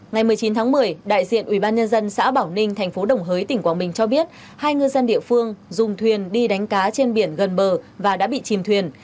ngày một mươi chín tháng một mươi đại diện ubnd xã bảo ninh thành phố đồng hới tỉnh quảng bình cho biết hai ngư dân địa phương dùng thuyền đi đánh cá trên biển gần bờ và đã bị chìm thuyền